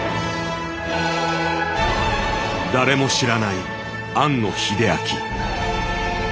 誰も知らない庵野秀明。